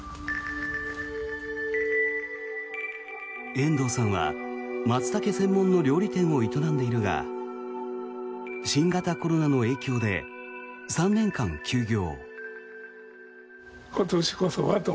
遠藤さんはマツタケ専門の料理店を営んでいるが新型コロナの影響で３年間休業。